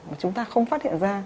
mà chúng ta không phát hiện ra